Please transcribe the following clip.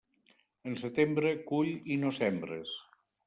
En setembre, cull i no sembres.